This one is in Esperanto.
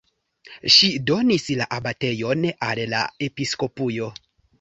Ŝi donis la abatejon al la episkopujo.